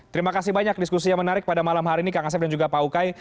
terima kasih banyak diskusi yang menarik pada malam hari ini kang asep dan juga pak ukay